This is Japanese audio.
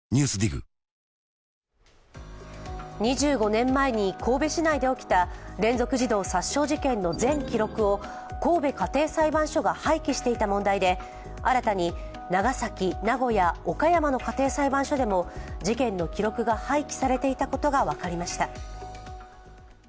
２５年前に神戸市内で起きた連続児童殺傷事件の全記録を神戸家庭裁判所が廃棄していた問題で、新たに長崎、名古屋、岡山の家庭裁判所でも事件の記録が廃棄されていたことが分かりました。